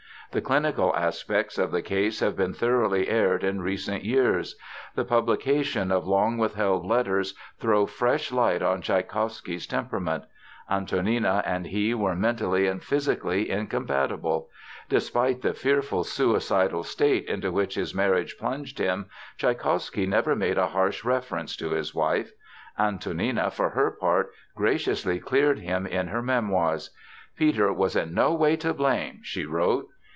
The clinical aspects of the case have been thoroughly aired in recent years. The publication of long withheld letters throw fresh light on Tschaikowsky's temperament. Antonina and he were mentally and physically incompatible. Despite the fearful suicidal state into which his marriage plunged him, Tschaikowsky never made a harsh reference to his wife. Antonina, for her part, graciously cleared him in her memoirs. "Peter was in no way to blame," she wrote.